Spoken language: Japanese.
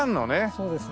そうです。